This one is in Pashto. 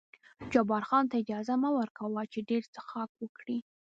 جبار خان ته اجازه مه ور کوه چې ډېر څښاک وکړي.